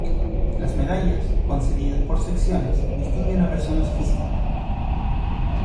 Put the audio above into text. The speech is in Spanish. Las medallas, concedidas por secciones, distinguen a personas físicas.